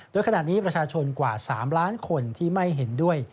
โดยขณะนี้ประชาชนกว่า๓ล้านคนที่ไม่เห็นด้วย